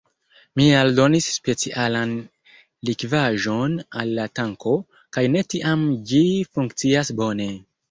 Mi aldonis specialan likvaĵon al la tanko, kaj de tiam ĝi funkcias bone.